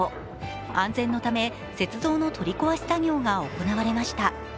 安全のため雪像の取り壊し作業が行われました。